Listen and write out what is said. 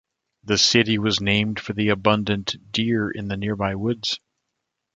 The city was named for the abundant deer in the nearby woods.